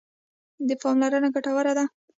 پاملرنه ګټوره ده.